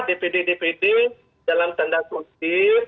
dpd dpd dalam tanda kutip